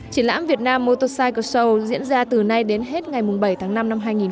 triển lãm việt nam motorcycle show diễn ra từ nay đến hết ngày bảy tháng năm năm hai nghìn một mươi bảy